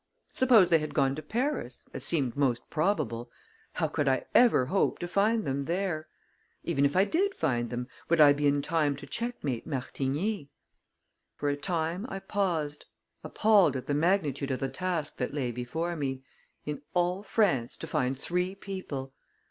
Suppose they had gone to Paris, as seemed most probable, how could I ever hope to find them there? Even if I did find them, would I be in time to checkmate Martigny? For a time, I paused, appalled at the magnitude of the task that lay before me in all France, to find three people!